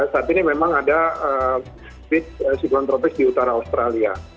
saat ini memang ada siklon tropis di utara australia